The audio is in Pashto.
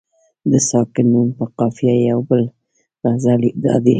د ساکن نون په قافیه یو بل غزل یې دادی.